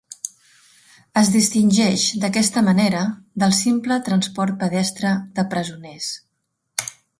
Es distingeix d'aquesta manera del simple transport pedestre de presoners.